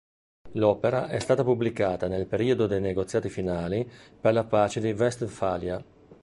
L'opera è stata pubblicata nel periodo dei negoziati finali per la Pace di Westfalia.